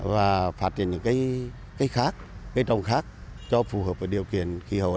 và phát triển